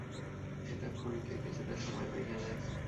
এটা খুনিকে কিছুটা সময় পাইয়ে দেয়।